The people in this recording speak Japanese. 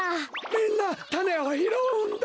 みんなたねをひろうんだ！